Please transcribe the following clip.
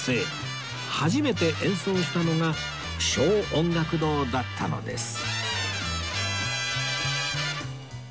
初めて演奏したのが小音楽堂だったのです